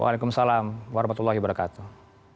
waalaikumsalam warahmatullahi wabarakatuh